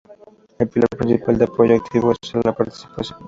El pilar principal del apoyo activo es la participación.